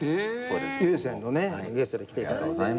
ＵＳＥＮのゲストで来ていただいて。